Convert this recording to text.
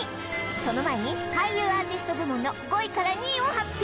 その前に俳優アーティスト部門の５位から２位を発表